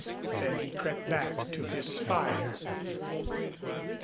Then he crept back to his fire.